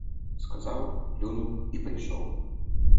Сказаў, плюнуў і пайшоў.